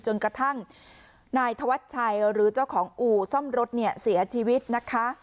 จนกระทั่งนายธวัชชัยหรือเจ้าของอู่ซ่อมรถเนี่ยเสียชีวิตนะคะ